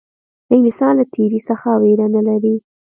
انګلیسیان له تېري څخه وېره نه لري.